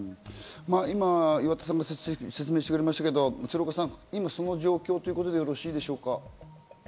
今、岩田さんが説明してくれましたけど鶴岡さん、今その状況ということでよろしいですか？